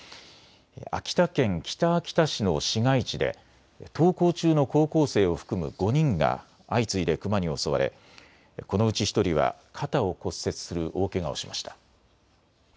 秋田県北秋田市の市街地で登校中の高校生を含む５人が相次いでクマに襲われこのうち１人は肩を骨折する大けがをしました。